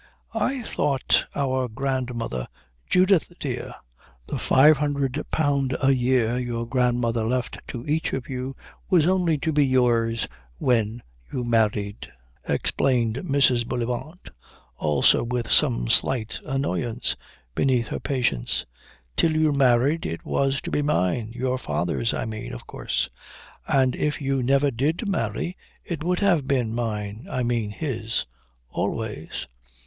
"I thought our grandmother " "Judith dear, the £500 a year your grandmother left to each of you was only to be yours when you married," explained Mrs. Bullivant, also with some slight annoyance beneath her patience. "Till you married it was to be mine your father's, I mean, of course. And if you never did marry it would have been mine I mean his always."